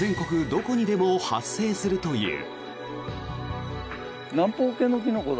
どこにでも発生するという。